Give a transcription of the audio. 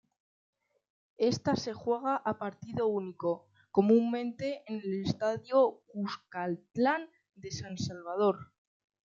Esta se juega a partido único, comúnmente en el Estadio Cuscatlán de San Salvador.